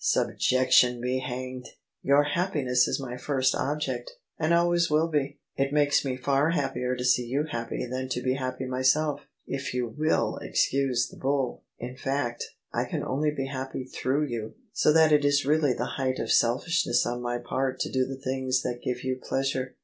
" Subjection be hanged 1 Your happiness is my first object, and always will be. It makes me far hap pier to see you happy than to be happy myself, if you will excuse the bull. In fact, I can only be happy through you : so that it is really the height of selfishness on my part to do the things that give you pleasure."